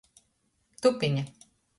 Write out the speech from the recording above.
Tupine.